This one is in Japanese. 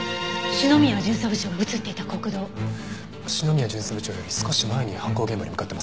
篠宮巡査部長より少し前に犯行現場に向かってますね。